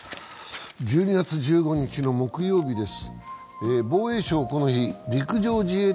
１２月１５日の木曜日です。